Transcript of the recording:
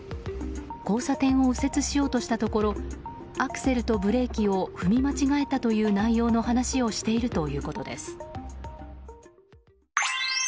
交差点を右折しようとしたところアクセルとブレーキを踏み間違えたという内容の話をしているということです。